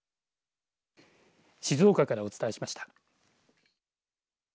静岡からお伝えしました。